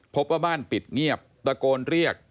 พบว่าบ้านปิดเงียบตะโกนเรียก